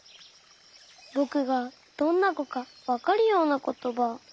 ぼくがどんなこかわかるようなことば。